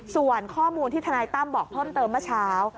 ส่วนข้อมูลที่ทนายตั้มบอกเพิ่มเติมเมื่อเช้า